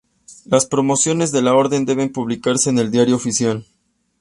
Las Promociones de la Orden deben publicarse en el Diario Oficial.